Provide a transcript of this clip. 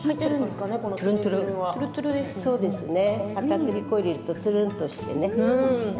かたくり粉を入れるとトゥルンとしてね。